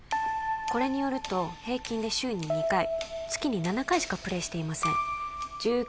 これによると平均で週に２回月に７回しかプレイしていません